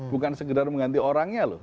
bukan sekedar mengganti orangnya loh